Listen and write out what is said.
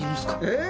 え？